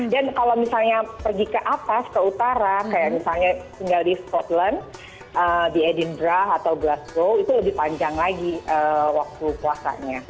dan kalau misalnya pergi ke atas ke utara kayak misalnya tinggal di scotland di edinburgh atau glasgow itu lebih panjang lagi waktu puasanya